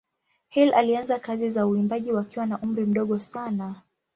Hill alianza kazi za uimbaji wakiwa na umri mdogo sana.